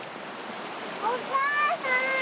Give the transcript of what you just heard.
お母さん